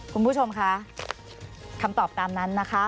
คุณผู้ชมคะคำตอบตามนั้นนะคะ